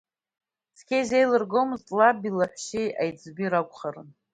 Цқьа илзеилыргомызт, лаби лаҳәшьа аиҵби ракәхарын.